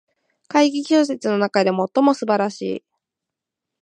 怪奇小説の中で最も素晴らしい